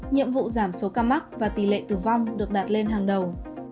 nhiệm vụ giảm số ca mắc và tỷ lệ tử vong được đặt lên hàng đầu